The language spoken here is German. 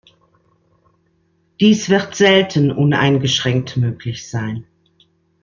Dies wird selten uneingeschränkt möglich sein.